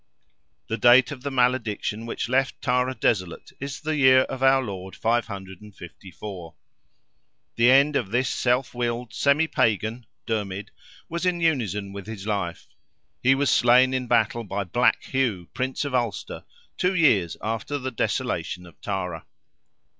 The date of the malediction which left Tara desolate is the year of our Lord, 554. The end of this self willed semi Pagan (Dermid) was in unison with his life; he was slain in battle by Black Hugh, Prince of Ulster, two years after the desolation of Tara.